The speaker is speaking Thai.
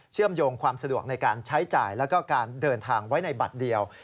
มโยงความสะดวกในการใช้จ่ายแล้วก็การเดินทางไว้ในบัตรเดียว